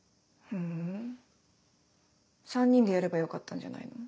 ふん３人でやればよかったんじゃないの？